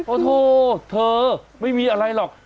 โอ้โหเธอไม่มีอะไรหรอก